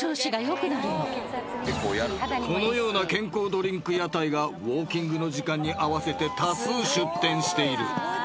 ［このような健康ドリンク屋台がウオーキングの時間に合わせて多数出店している］